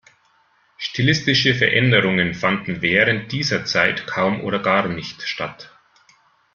Stilistische Veränderungen fanden während dieser Zeit kaum oder gar nicht statt.